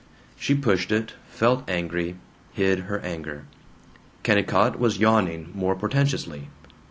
She pushed it, felt angry, hid her anger. Kennicott was yawning, more portentously.